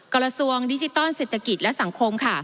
กรส่วงดิจิตอลเศรษฐกิจและสังคม